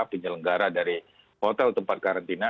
penyelenggara dari hotel tempat karantina